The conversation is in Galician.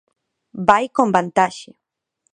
Vai con vantaxe.